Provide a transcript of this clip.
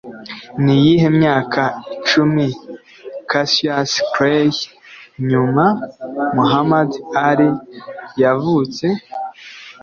Niyihe myaka icumi Cassius Clay- nyuma Muhammad Ali- yavutse?